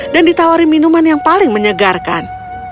dan ditawari minuman yang paling menyegarkan